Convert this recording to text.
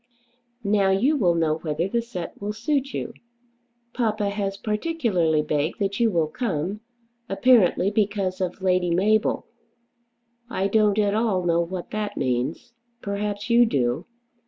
Now you will know whether the set will suit you. Papa has particularly begged that you will come, apparently because of Lady Mabel. I don't at all know what that means. Perhaps you do.